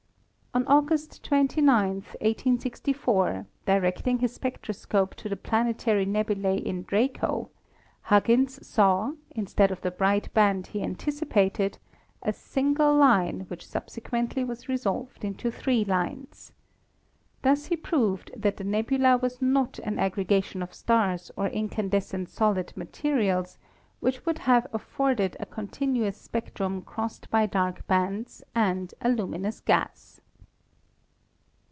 On August 29, 1864, directing his spectroscope to the planetary nebulae in Draco, Huggins saw, instead of the bright band he anticipated, a single line which subsequently was re solved into three lines. Thus he proved that the nebula was not an aggregation of stars or incandescent solid ma terials, which would have afforded a continuous spectrum crossed by dark bands and a luminous gas.